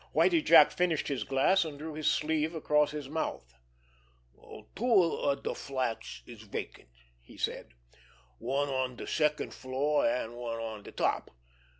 Whitie Jack finished his glass, and drew his sleeve across his mouth. "Two of de flats is vacant," he said. "One on de second floor, an' one on de top.